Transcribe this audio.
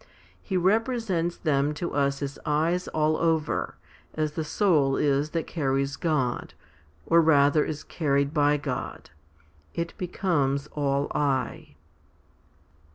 He represents them to us as eyes all over, as the soul is that carries God, or rather is carried by God ; it becomes all eye.